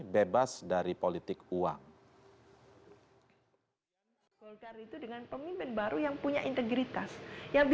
bebas dari politik uang